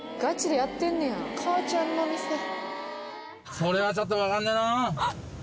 これはちょっとわかんねえな。